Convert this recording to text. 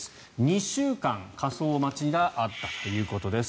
２週間、火葬待ちがあったということです。